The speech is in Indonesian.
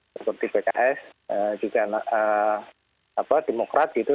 seperti pks juga demokrat gitu